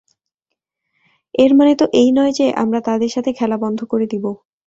এর মানে তো এই নয় যে, আমরা তাদের সাথে খেলা বন্ধ করে দিব।